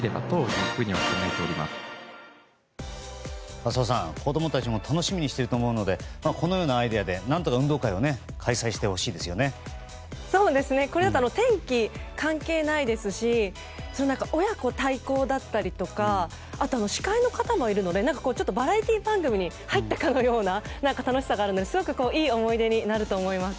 浅尾さん、子供たちも楽しみにしていると思うのでこのようなアイデアで何とか運動会を天気関係ないですし親子対抗だったりとか司会の方もいるのでバラエティー番組に入ったかのような楽しさがあるのでいい思い出になると思います。